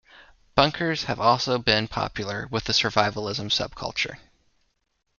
Bunkers have also been popular with the Survivalism subculture.